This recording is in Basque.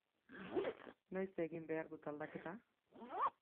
Noiz egin behar dut aldaketa?